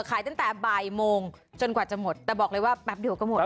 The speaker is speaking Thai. ขายตั้งแต่บ่ายโมงจนกว่าจะหมดแต่บอกเลยว่าแป๊บเดียวก็หมด